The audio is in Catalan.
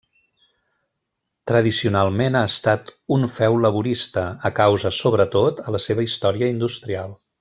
Tradicionalment ha estat un feu laborista, a causa, sobretot, a la seva història industrial.